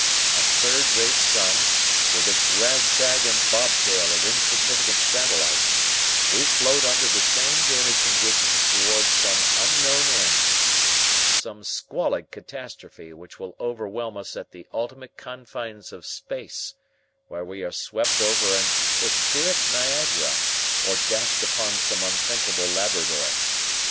A third rate sun, with its rag tag and bobtail of insignificant satellites, we float under the same daily conditions towards some unknown end, some squalid catastrophe which will overwhelm us at the ultimate confines of space, where we are swept over an etheric Niagara or dashed upon some unthinkable Labrador.